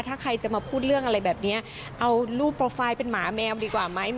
ถ้าใครจะมาพูดเรื่องอะไรแบบนี้เอารูปโปรไฟล์เป็นหมาแมวดีกว่าไหม